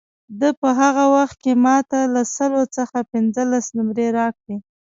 ده په هغه وخت کې ما ته له سلو څخه پنځلس نمرې راکړې.